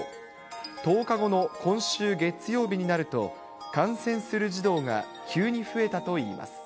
１０日後の今週月曜日になると、感染する児童が急に増えたといいます。